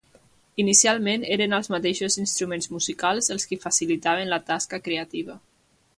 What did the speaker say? Inicialment eren els mateixos instruments musicals els qui facilitaven la tasca creativa.